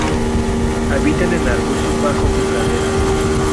Habitan en arbustos bajos y praderas.